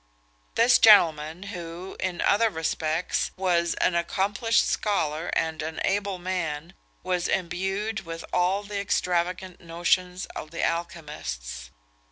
This gentleman, who, in other respects, was an accomplished scholar and an able man, was imbued with all the extravagant notions of the alchymists.